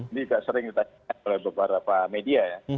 ini juga sering ditanyakan oleh beberapa media ya